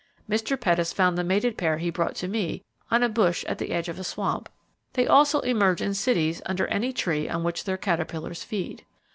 Mr. Pettis found the mated pair he brought to me, on a bush at the edge of a swamp. They also emerge in cities under any tree on which their caterpillars feed.